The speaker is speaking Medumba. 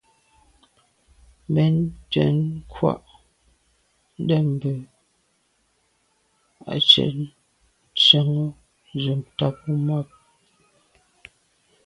Mɛ́n cwɛ̌d krwâ' ndɛ̂mbə̄ á cwɛ̌d tsjɑ́ŋə́ zə̄ tâp bû mâp.